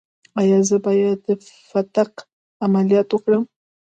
ایا زه باید د فتق عملیات وکړم؟